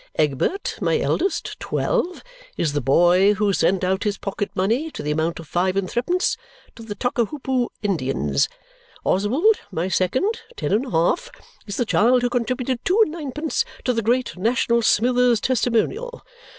Egbert, my eldest (twelve), is the boy who sent out his pocket money, to the amount of five and threepence, to the Tockahoopo Indians. Oswald, my second (ten and a half), is the child who contributed two and nine pence to the Great National Smithers Testimonial.